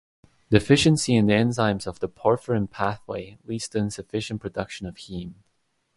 Deficiency in the enzymes of the porphyrin pathway leads to insufficient production of heme.